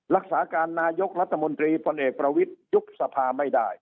รักษาการนายกรัฐมนตรีพลเอกประวิทยุบสภาไม่ได้